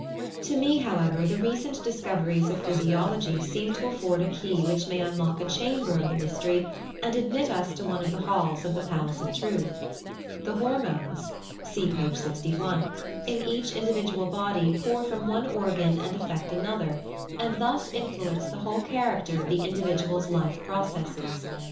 To me, however, the recent discoveries of physio logy seem to afford a key which may unlock a chamber of the mystery and admit us to one of the halls of the palace of truth. The hormones (see page 6i) in each individual body pour from one organ and afFect another, and thus influence the whole character of the individual's life processes.